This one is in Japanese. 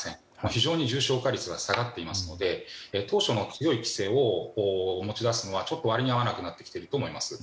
非常に重症化率が下がっていますので当初の強い規制を持ち出すのは割に合わなくなってきていると思います。